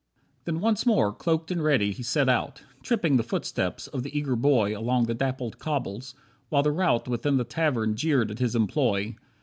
7 Then once more, cloaked and ready, he set out, Tripping the footsteps of the eager boy Along the dappled cobbles, while the rout Within the tavern jeered at his employ.